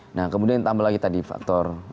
nah kemudian tambah lagi tadi faktor